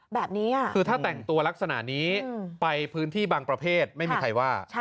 แบบนี้คือถ้าแต่งตัวลักษณะนี้ไปพื้นที่บางประเภทไม่มีใครว่า